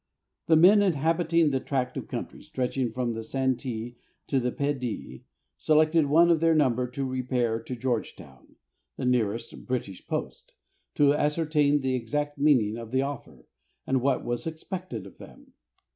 The men inhabiting the tract of country stretching from the Santee to the Pedee selected one of their number to repair to Georgetown, the nearest British post, to ascertain the exact meaning of the offer, and what was expected of them.